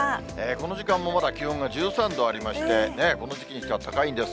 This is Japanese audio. この時間もまだ気温が１３度ありまして、この時期にしては高いんです。